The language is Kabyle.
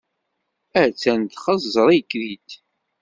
Attan txeẓẓer-ik-id.